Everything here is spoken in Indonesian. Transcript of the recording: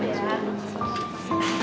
terima kasih banyak